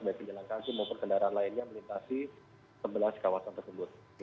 baik penjelangkasi maupun kendaraan lainnya melintasi sebelas kawasan tersebut